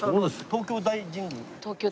東京大神宮。